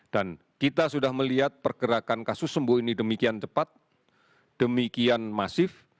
dan kita sudah melihat pergerakan kasus sembuh ini demikian cepat demikian masif